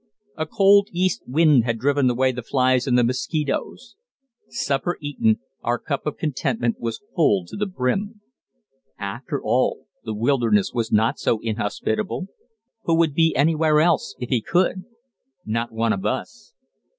A cold east wind had driven away the flies and the mosquitoes. Supper eaten, our cup of contentment was full to the brim. After all, the wilderness was not so inhospitable. Who would be anywhere else, if he could? Not one of us.